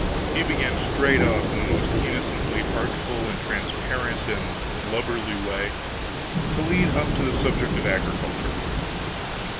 He began, straight off, in the most innocently artful, and transparent, and lubberly way, to lead up to the subject of agriculture.